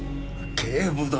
警部殿。